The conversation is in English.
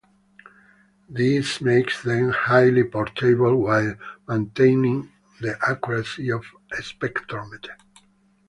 This makes them highly portable while maintaining the accuracy of a spectrometer.